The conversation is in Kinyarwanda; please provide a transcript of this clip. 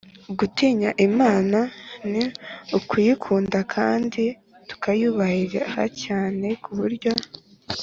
Gutinya Imana ni ukuyikunda kandi tukayubaha cyane ku buryo